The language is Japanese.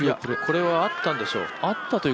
これはあったんでしょう。